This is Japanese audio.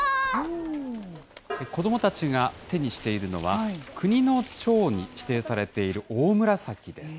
子どもたちが手にしているのは、国のチョウに指定されているオオムラサキです。